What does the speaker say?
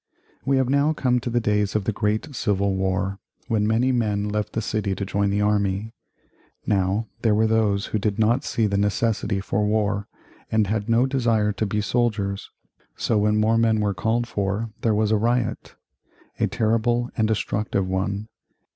We have now come to the days of the Great Civil War, when many men left the city to join the army. Now there were those who did not see the necessity for war and had no desire to be soldiers, so when more men were called for there was a riot; a terrible and destructive one.